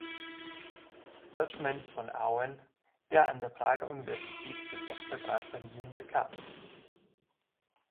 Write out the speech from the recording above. Lodgman von Auen, der an der Prager Universität den Doktorgrad verliehen bekam.